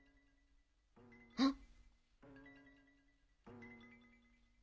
あっ。